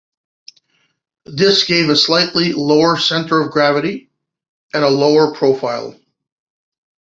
This gave a slightly lower center of gravity and a lower profile.